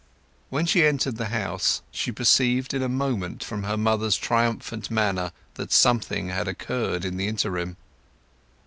When she entered the house she perceived in a moment from her mother's triumphant manner that something had occurred in the interim.